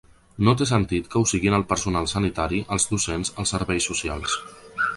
No té sentit que ho siguin el personal sanitari, els docents, els serveis socials.